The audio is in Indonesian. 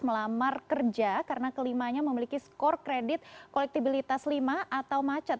melamar kerja karena kelimanya memiliki skor kredit kolektibilitas lima atau macet